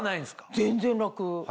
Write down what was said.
全然楽！